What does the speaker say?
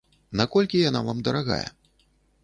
Наколькі яна вам дарагая?